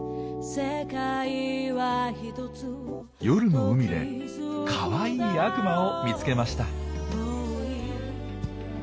夜の海でかわいい「悪魔」を見つけました。